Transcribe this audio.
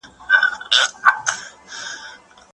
حق بايد چا ته وبخښل سي.